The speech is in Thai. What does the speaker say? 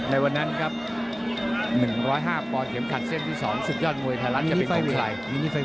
ในวันนั้นครับ๑๐๕ปเหยียมขัดเส้นที่๒สุดยอดมวยทะลัดจะเป็นของใคร